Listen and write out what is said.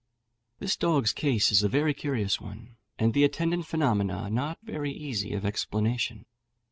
This dog's case is a very curious one, and the attendant phenomena not very easy of explanation.